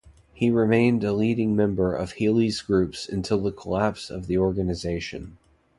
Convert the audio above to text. He remained a leading member of Healy's groups until the collapse of the organisation.